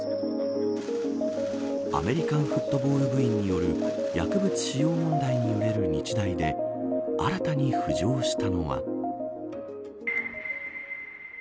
アメリカンフットボール部員による薬物使用問題に揺れる日大で新たに浮上したのは。